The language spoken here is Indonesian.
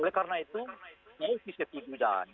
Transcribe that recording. oleh karena itu saya bisa tiga jalan